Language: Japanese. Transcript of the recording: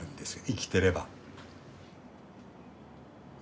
生きてれば。